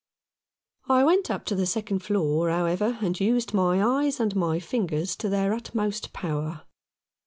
I went up to the second floor, however, and used my eyes and my fingers to their utmost power.